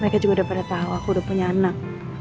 mereka juga udah pada tahu aku udah punya anak